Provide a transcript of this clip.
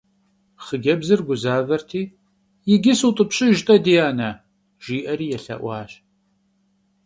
Xhıcebzır guzaverti: yicı sıut'ıpşıjj - t'e, di ane, – jji'eri yêlhe'uaş.